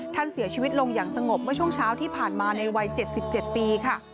ท่านเสียชีวิตลงอย่างสงบเมื่อช่วงเช้าที่ผ่านมาในวัย๗๗ปีค่ะ